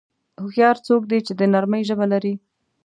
هوښیار څوک دی چې د نرمۍ ژبه لري.